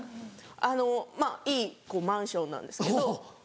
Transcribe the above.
まぁいいマンションなんですけど。